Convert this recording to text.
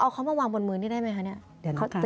เอาเขามาวางบนมือนี่ได้ไหมคะเดี๋ยวนิดนึงค่ะ